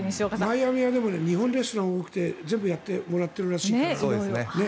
マイアミは日本レストランが多くて全部やってもらってるらしいから。